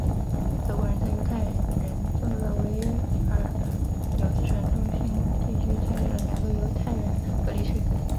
德国人在犹太人众多的维尔纽斯旧城中心地区建立了两个犹太人隔离区。